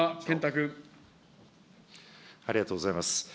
ありがとうございます。